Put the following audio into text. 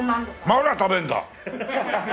まだ食べるんだ！